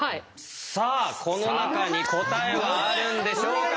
さあこの中に答えはあるんでしょうか？